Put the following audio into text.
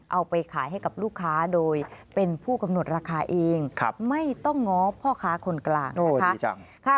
เอาไปขายให้กับลูกค้าโดยเป็นผู้กำหนดราคาเองไม่ต้องง้อพ่อค้าคนกลางนะคะ